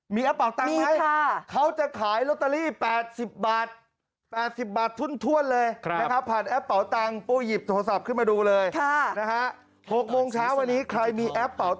มีแอปเป่าตังค์ไหมท่านเขาจะขายลอตเตอรี่๘๐บาท